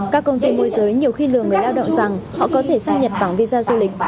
các công ty môi giới nhiều khi lừa người lao động rằng họ có thể sang nhật bản visa du lịch